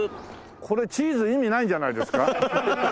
これ「チーズ」意味ないんじゃないですか？